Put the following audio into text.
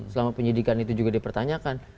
selama penyidikan itu juga dipertanyakan